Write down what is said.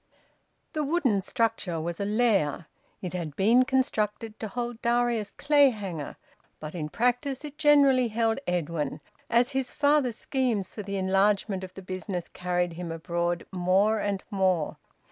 The wooden structure was a lair. It had been constructed to hold Darius Clayhanger; but in practice it generally held Edwin, as his father's schemes for the enlargement of the business carried him abroad more and more.